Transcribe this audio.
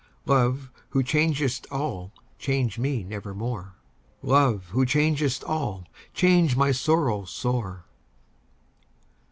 Love, who changest all, change me nevermore! "Love, who changest all, change my sorrow sore!"